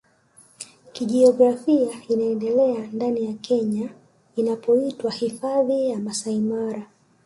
kijiografia inaendelea ndani ya Kenya inapoitwa Hifadhi ya Masai Mara